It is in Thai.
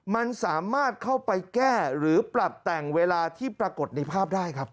มันสามารถเข้าไปแก้หรือปรับแต่งเวลาที่ปรากฏในภาพได้ครับ